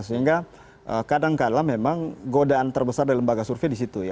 sehingga kadangkala memang godaan terbesar dari lembaga survei di situ ya